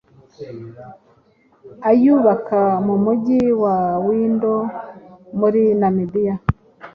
ayubaka mu mujyi wa Windhoek muri Namibia